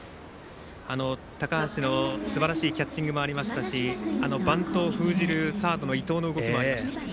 高橋のすばらしいキャッチングもありましたしバントを封じるサードの伊藤の動きもありました。